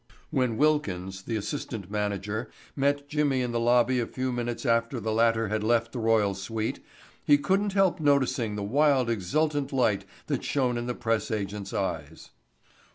When Wilkins, the assistant manager, met Jimmy in the lobby a few minutes after the latter had left the royal suite, he couldn't help noticing the wild exultant light that shone in the press agent's eyes.